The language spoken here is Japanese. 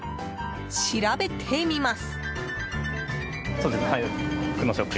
調べてみます。